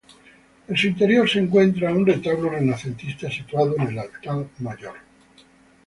En su interior se encuentra un retablo renacentista situado en el altar mayor.